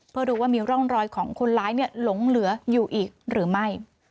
เพื่อดูว่ามีร่องรอยของคนร้ายหลงเหลืออยู่อีกหรือไม่